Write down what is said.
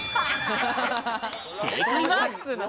正解は。